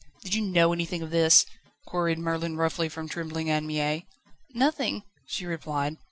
"Did you know anything of this?" queried Merlin roughly from trembling Anne Mie. "Nothing," she replied.